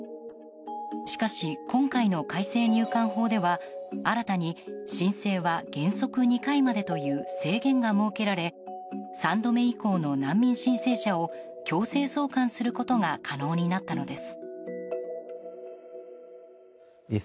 しかし、今回の改正入管法では新たに申請は原則２回までという制限が設けられ３度目以降の難民申請者を強制送還することが可能になったのです。